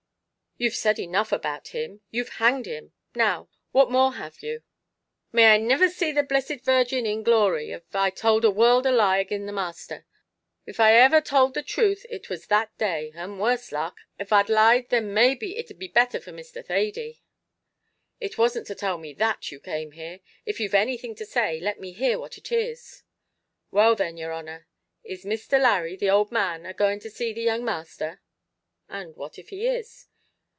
"You've said enough about him; you've hanged him; now, what more have you?" "May I niver see the Blessed Virgin in glory av I towld a word of a lie agin the masther. Av I iver towld the truth it was that day; an' worse luck av I'd lied then maybe it'd been betther for Mr. Thady." "It wasn't to tell me that, you came here; if you've anything to say, let me hear what it is." "Why then, yer honor, is Mr. Larry, the owld man, a going to see the young masther?" "And what if he is?"